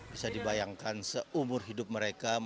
bisa dibayangkan seumur hidup mereka